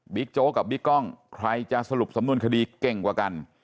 โจ๊กกับบิ๊กกล้องใครจะสรุปสำนวนคดีเก่งกว่ากัน